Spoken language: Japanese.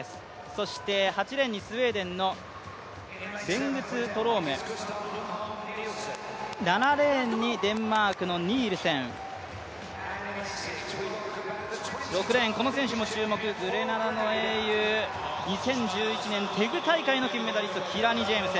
そして８レーンにスウェーデンのベングツトローム、７レーンにデンマークのニールセン６レーン、この選手も注目、グレナダの英雄、２０１１年テグ大会の金メダリスト、キラニ・ジェームス。